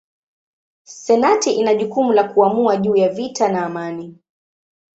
Senati ina jukumu la kuamua juu ya vita na amani.